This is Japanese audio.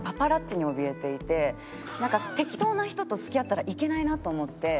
適当な人と付き合ったらいけないなと思って。